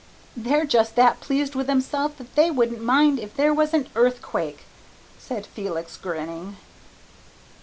"They're just that pleased with themselves that they wouldn't mind if there was an earthquake," said Felix, grinning.